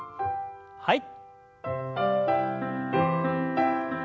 はい。